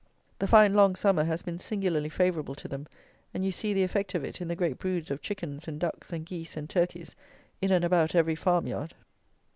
The fine, long summer has been singularly favourable to them; and you see the effect of it in the great broods of chickens and ducks and geese and turkeys in and about every farm yard.